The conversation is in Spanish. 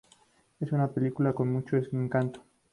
Es una película con mucho encanto.